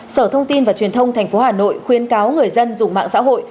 sở thông tin và truyền thông tp hcm khuyên cáo người dân dùng mạng xã hội